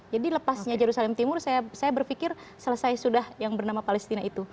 lepasnya jerusalem timur saya berpikir selesai sudah yang bernama palestina itu